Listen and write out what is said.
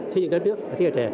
xây dựng đất nước thế giới trẻ